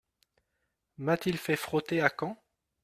M’a-t-il fait frotter à Caen !